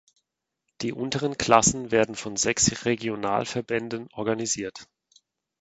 Die unteren Klassen werden von sechs Regionalverbänden organisiert.